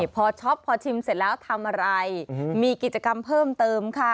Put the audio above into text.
พอช็อปพอชิมเสร็จแล้วทำอะไรมีกิจกรรมเพิ่มเติมค่ะ